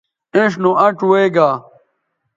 اِنڇ نو اَنڇ وے گا